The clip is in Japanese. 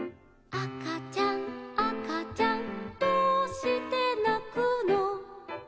「あかちゃんあかちゃんどうしてだっこなの」